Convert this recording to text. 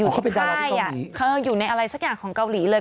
อ๋อเขาเป็นดาราบที่เกาหลีอยู่ที่ไทยอยู่ในอะไรสักอย่างของเกาหลีเลย